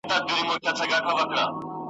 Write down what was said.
په كوڅه كي څراغ نه وو توره شپه وه `